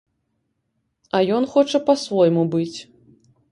А ён хоча па-свойму быць.